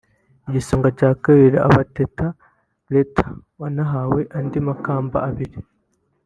igisonga cya kabiri aba Teta Gretta wanahawe andi makamba abiri